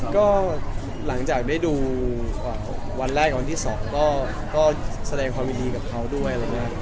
ก็หลังจากได้ดูวันแรกวันที่สองก็แสดงคอมมิดีกับเขาด้วย